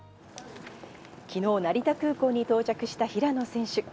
昨日、成田空港に到着した平野選手。